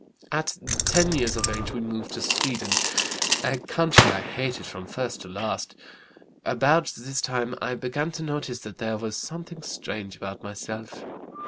"At 10 years of age we moved to Sweden, a country I hated from first to last. About this time I began to notice that there was something strange about myself.